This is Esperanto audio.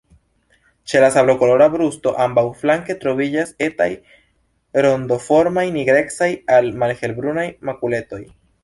Ĉe la sablokolora brusto ambaŭflanke troviĝas etaj, rondoformaj nigrecaj al malhelbrunaj makuletoj.